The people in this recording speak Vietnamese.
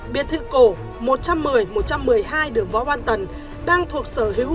biệt thự cổ một trăm một mươi một trăm một mươi hai đường võ văn tần đang thuộc sở hữu